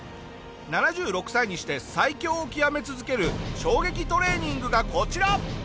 ７６歳にして最強を極め続ける衝撃トレーニングがこちら。